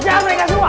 yaaah mereka semua